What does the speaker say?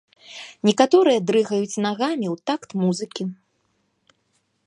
Некаторыя дрыгаюць нагамі ў такт музыкі.